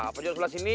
pocok sebelah sini